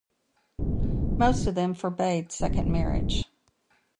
Most of them forbade second marriage.